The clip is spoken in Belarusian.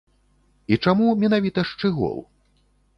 І чаму менавіта шчыгол?